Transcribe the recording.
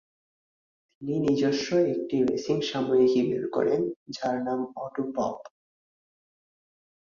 তিনি নিজস্ব একটি রেসিং সাময়িকী বের করেন যার নাম "অটো পপ"।